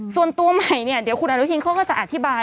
ส่วนตัวใหม่เนี่ยเดี๋ยวคุณอนุทินเขาก็จะอธิบาย